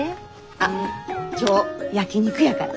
あっ今日焼き肉やから。